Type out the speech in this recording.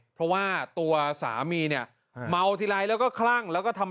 เพราะว่าตัวสามีเนี่ยเมาทีไรแล้วก็คลั่งแล้วก็ทำ